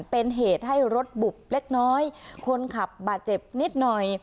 เป็นเหตุให้รถบุบเล็กน้อยคนขับบาดเจ็บนิดหน่อย